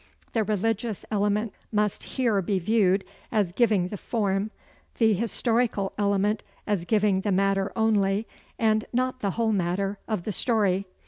The religious element must here be viewed as giving the form, the historical element as giving the matter only, and not the whole matter, of the story.